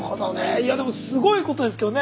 いやでもすごいことですけどね。